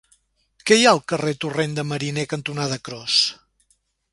Què hi ha al carrer Torrent de Mariner cantonada Cros?